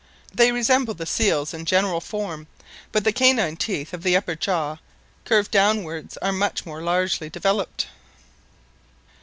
They resemble the seals in general form, but the canine teeth of the upper jaw curved down wards are much more largely developed.